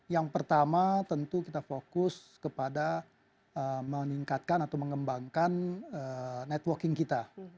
yang pertama tentu kita fokus kepada meningkatkan atau mengembangkan networking kita